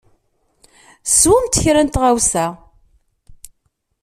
Swemt kra n tɣawsa.